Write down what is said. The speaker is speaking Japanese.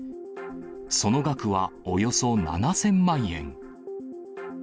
その額はおよそ７０００万円。